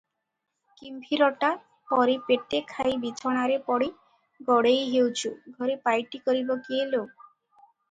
କିମ୍ଭୀରଟା ପରି ପେଟେ ଖାଇ ବିଛଣାରେ ପଡ଼ି ଗଡ଼େଇ ହେଉଛୁ, ଘରେ ପାଇଟି କରିବ କିଏ ଲୋ?